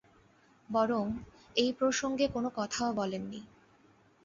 বরং এই প্রসঙ্গে কোনো কথাও বলেন নি।